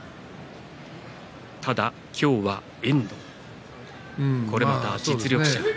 ただ今日は遠藤、これも実力者。